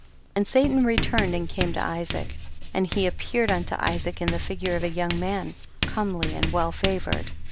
29. And Satan returned and came to Isaac ; and he appeared unto Isaac in the figure of a young man, comely and well favoured.